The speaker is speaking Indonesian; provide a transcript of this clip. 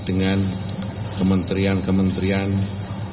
dengan kementerian kementerian pertanian